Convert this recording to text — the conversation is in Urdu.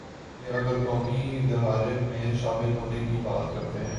یہ اگر قومی دھارے میں شامل ہونے کی بات کرتے ہیں۔